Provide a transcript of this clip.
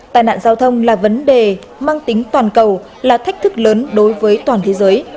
tài nạn giao thông là vấn đề mang tính toàn cầu là thách thức lớn đối với toàn thế giới